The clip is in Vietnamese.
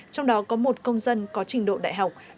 trong đó có một công dân có trình độ đại học